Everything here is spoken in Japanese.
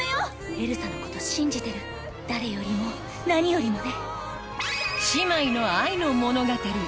エルサのこと信じてる誰よりも何よりもね。